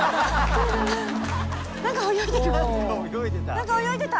何か泳いでた！